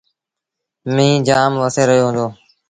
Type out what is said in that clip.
ميݩهن جآم وسي رهيو هُݩدو۔